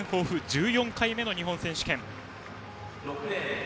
１４回目の日本選手権。